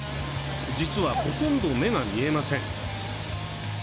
実は、ほとんど目が見えません。